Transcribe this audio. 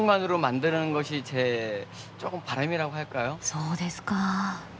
そうですか。